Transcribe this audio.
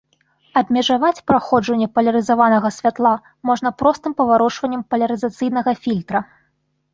Абмежаваць праходжанне палярызаванага святла можна простым паварочваннем палярызацыйнага фільтра.